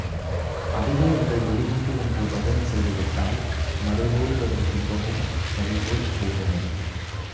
அதுவே எங்கள் வெடிகுண்டு என்று பஜனை செய்துவிட்டால், மலைபோல் வரும் துன்பமும் பனி போல் போகுமே!